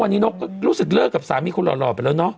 วันนี้นกก็รู้สึกเลิกกับสามีคนหล่อไปแล้วเนอะ